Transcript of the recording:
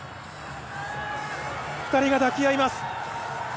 ２人が抱き合います。